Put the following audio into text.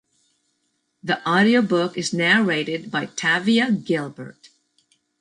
The audiobook is narrated by Tavia Gilbert.